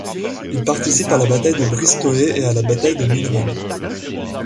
Il participe à la bataille de Bristoe et à la bataille de Mine Run.